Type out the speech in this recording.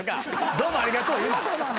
どうもありがとう言うな。